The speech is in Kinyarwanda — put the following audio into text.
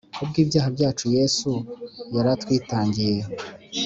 Kubw’ibyaha byacu Yesu yaratwitangiye